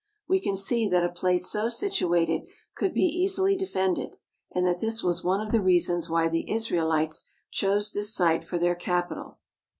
We can see that a place so situated could be easily defended, and that this was one of the reasons why the Israelites chose this site for their capital.